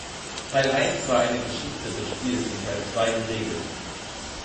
Teil eins war eine Geschichte des Spiels und Teil zwei die Regeln.